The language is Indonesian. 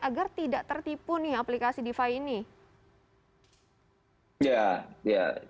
agar tidak tertipu nih aplikasi defi ini